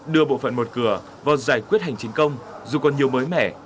đưa bộ phận một cửa vào giải quyết hành chính công dù còn nhiều mới mẻ